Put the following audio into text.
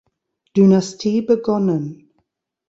Dynastie begonnen.